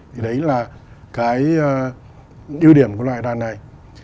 thì đấy là cái ưu điểm của loại đàn này